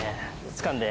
つかんで。